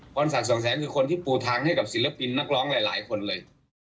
พรศักดิ์สองแสนคือคนที่ปูทางให้กับศิลปินนักร้องหลายคนเลย